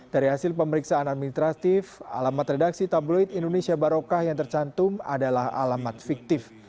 dari hasil pemeriksaan administratif alamat redaksi tabloid indonesia barokah yang tercantum adalah alamat fiktif